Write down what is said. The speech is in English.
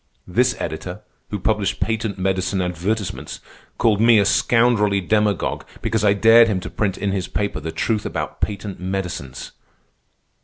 This editor, who published patent medicine advertisements, called me a scoundrelly demagogue because I dared him to print in his paper the truth about patent medicines.